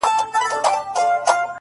تا هچيش ساتلې دې پر کور باڼه-